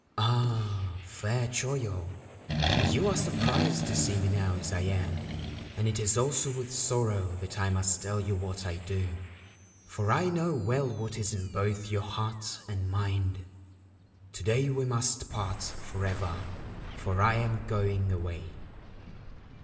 ' Ah, fair Choyo, you are surprised to see me now as I am, and it is also with sorrow that I must tell you what I do, for I know well what is in both your heart and mind. To day we must part for ever, for I am going away.'